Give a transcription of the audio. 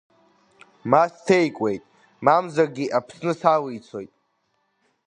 Ма сҭеикуеит, мамзаргьы Аԥсны салицоит…